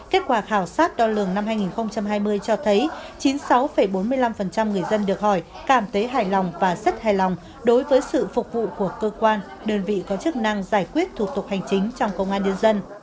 kết quả khảo sát đo lường năm hai nghìn hai mươi cho thấy chín mươi sáu bốn mươi năm người dân được hỏi cảm thấy hài lòng và rất hài lòng đối với sự phục vụ của cơ quan đơn vị có chức năng giải quyết thủ tục hành chính trong công an nhân dân